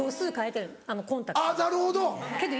なるほど。